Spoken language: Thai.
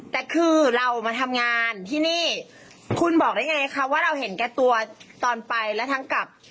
แต่คือเรามาทำงานที่นี่คุณบอกได้ไงคะว่าเราเห็นแก่ตัวตอนไปและทั้งกับ